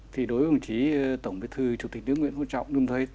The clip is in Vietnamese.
thì đối với đồng chí tổng bí thư chủ tịch nước nguyễn phú trọng